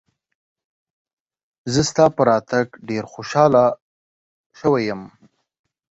زه ستا په راتګ ډېر خوشاله شوی یم.